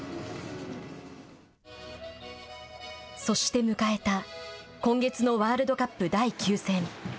そして迎えた今月のワールドカップ第９戦。